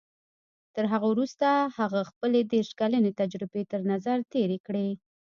تر هغه وروسته هغه خپلې دېرش کلنې تجربې تر نظر تېرې کړې.